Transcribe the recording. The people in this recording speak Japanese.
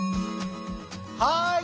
はい。